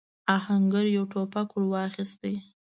آهنګر يو ټوپک ور واخيست.